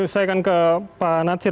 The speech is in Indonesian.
saya akan ke pak natsir